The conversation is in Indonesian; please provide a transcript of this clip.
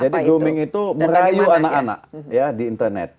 jadi grooming itu merayu anak anak di internet